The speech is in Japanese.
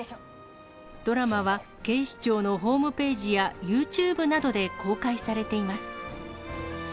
ドラマは警視庁のホームページやユーチューブなどで公開されています。